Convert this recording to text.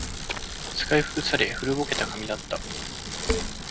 使い古され、古ぼけた紙だった